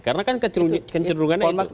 karena kan kecerungannya itu